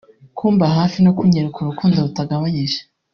Kumba hafi no kunyereka urukundo rutagabanyije